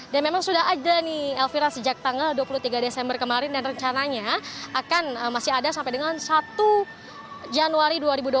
memang sudah ada nih elvira sejak tanggal dua puluh tiga desember kemarin dan rencananya akan masih ada sampai dengan satu januari dua ribu dua puluh